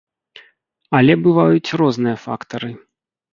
Але бываюць розныя фактары.